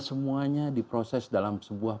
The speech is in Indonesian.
semuanya diproses dalam sebuah